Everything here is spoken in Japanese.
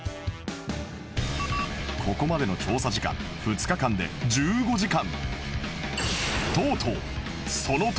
ここまでの調査時間２日間で１５時間